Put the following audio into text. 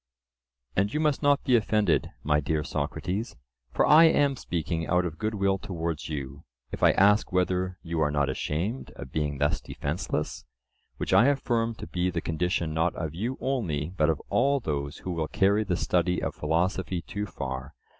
And you must not be offended, my dear Socrates, for I am speaking out of good will towards you, if I ask whether you are not ashamed of being thus defenceless; which I affirm to be the condition not of you only but of all those who will carry the study of philosophy too far.